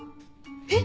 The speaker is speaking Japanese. えっ？